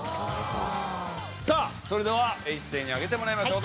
さあそれでは一斉に上げてもらいましょう。